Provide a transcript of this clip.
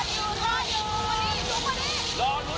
โหได้รออยู่รออยู่